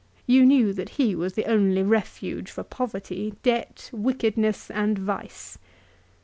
You knew that he was the only refuge for poverty, debt, wickedness, and vice.